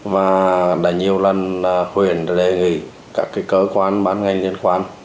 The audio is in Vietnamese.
và đã nhiều lần huyện đã đề nghị các cơ quan bán ngành liên quan